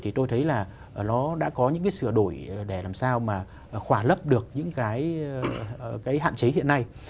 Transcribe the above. thì tôi thấy là nó đã có những cái sửa đổi để làm sao mà khỏa lấp được những cái hạn chế hiện nay